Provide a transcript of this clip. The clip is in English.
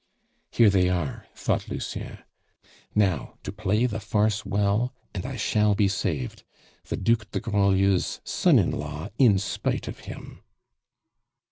"Here they are!" thought Lucien. "Now, to play the farce well, and I shall be saved! the Duc de Grandlieu's son in law in spite of him!"